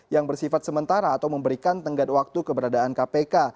yang bersifat sementara atau memberikan tenggat waktu keberadaan kpk